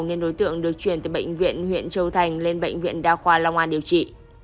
nên đối tượng được chuyển từ bệnh viện huyện châu thành lên bệnh viện đa khoa long an điều trị